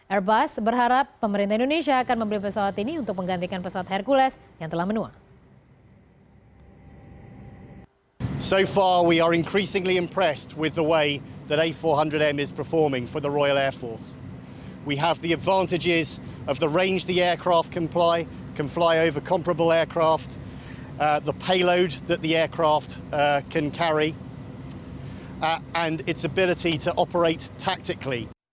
airbus berharap pemerintah indonesia akan membeli pesawat ini untuk menggantikan pesawat hercules yang telah menua